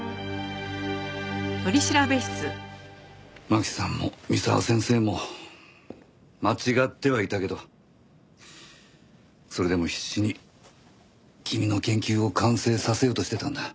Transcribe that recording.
真希さんも三沢先生も間違ってはいたけどそれでも必死に君の研究を完成させようとしてたんだ。